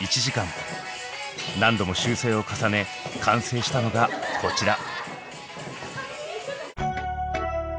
何度も修正を重ね完成したのがこちら。